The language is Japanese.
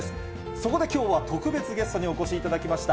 そこできょうは特別ゲストにお越しいただきました。